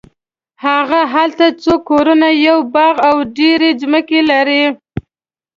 هغه هلته څو کورونه یو باغ او ډېرې ځمکې لري.